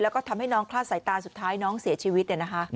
แล้วก็ทำให้น้องคลาดสายตาสุดท้ายน้องเสียชีวิตเนี่ยนะคะ